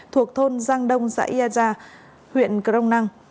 thuộc thôn giang đông xã yaya huyện crong năng